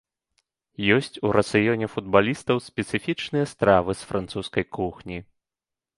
Ёсць у рацыёне футбалістаў спецыфічныя стравы з французскай кухні.